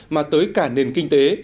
mà tới cả nền kinh tế